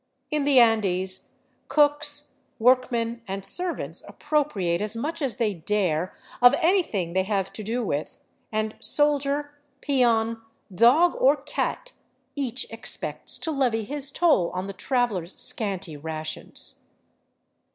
In the Andes, cooks, workmen, and serv ants appropriate as much as they dare of anything tjiey have to do with, and soldier, peon, dog, or cat, each expects to levy his toll on the traveler's scanty rations.